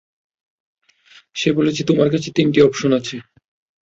সে বলেছে তোমার কাছে তিনটি অপশন আছে।